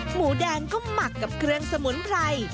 หมูแดงก็หมักกับเครื่องสมุนไพร